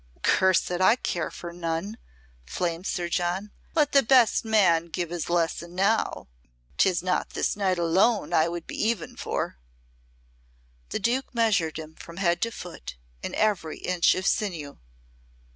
"Curse it, I care for none!" flamed Sir John. "Let the best man give his lesson now. 'Tis not this night alone I would be even for." The Duke measured him from head to foot, in every inch of sinew.